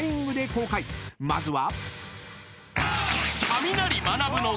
［まずは］